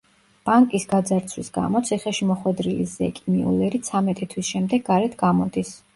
ბანკის გაძარცვის გამო ციხეში მოხვედრილი ზეკი მიულერი ცამეტი თვის შემდეგ გარეთ გამოდის.